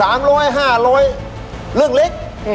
ไอ้๓๐๐๕๐๐เรื่องเล็ก